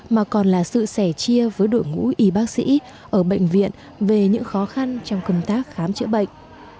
mà còn là sự sẻ chia với đội ngũ y bác sĩ ở bệnh viện về những khó khăn trong công tác khám chữa bệnh